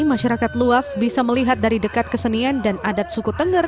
masyarakat luas bisa melihat dari dekat kesenian dan adat suku tengger